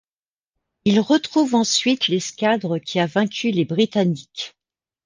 Il retrouve ensuite l'escadre qui a vaincu les Britanniques.